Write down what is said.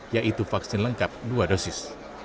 yaitu vaksin lengkap dua dosis